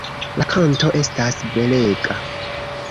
La kanto estas belega.